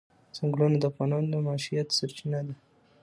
ځنګلونه د افغانانو د معیشت سرچینه ده.